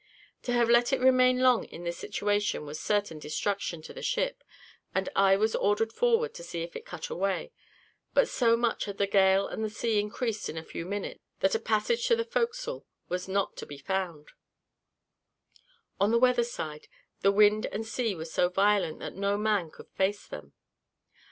To have let it remain long in this situation, was certain destruction to the ship, and I was ordered forward to see it cut away; but so much had the gale and the sea increased in a few minutes, that a passage to the forecastle was not to be found: on the weather side, the wind and sea were so violent that no man could face them.